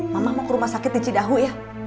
mama mau ke rumah sakit di cidahu ya